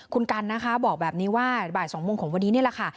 คุณกันนะคะบอกแบบนี้ว่าบ่าย๒โมงของวันนี้นี่แหละค่ะ